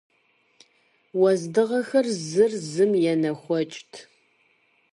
Уэздыгъэхэр зыр зым енэхуэкӏт.